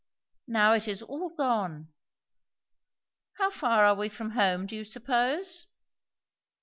now it is all gone. How far are we from home, do you suppose?"